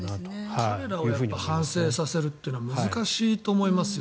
彼らを反省させるのは難しいと思いますよ。